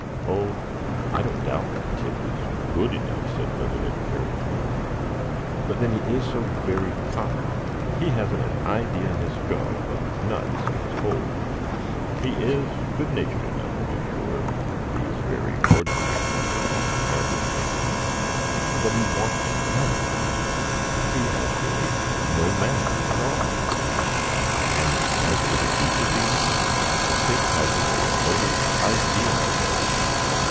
"Oh, I don't doubt that Tip is good enough," said Featherhead carelessly; "but then he is so very common! he hasn't an idea in his skull above his nuts and his hole. He is good natured enough, to be sure,—these very ordinary people often are good natured,—but he wants manner; he has really no manner at all; and as to the deeper feelings, Tip hasn't the remotest idea of them.